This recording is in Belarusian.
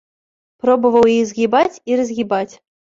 Пробаваў іх згібаць і разгібаць.